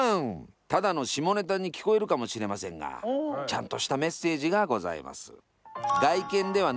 ただの下ネタに聞こえるかもしれませんがちゃんとしたメッセージがございます。